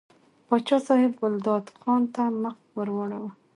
پاچا صاحب ګلداد خان ته مخ ور واړاوه.